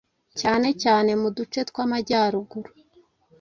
cyane cyane mu duce tw’amajyaruguru